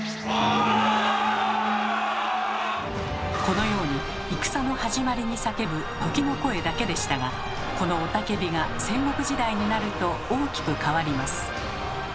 このように戦の始まりに叫ぶ鬨の声だけでしたがこの雄たけびが戦国時代になると大きく変わります。